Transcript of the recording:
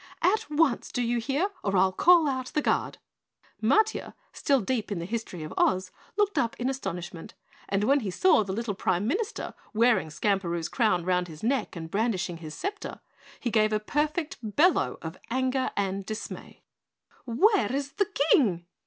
"At once, do you hear, or I'll call out the guard!" Matiah, still deep in the History of Oz, looked up in astonishment, and when he saw the little Prime Minister wearing Skamperoo's crown round his neck and brandishing his scepter, he gave a perfect bellow of anger and dismay. "Where's the King?"